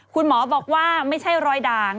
คุณหมอบอกว่าไม่ใช่รอยด่าง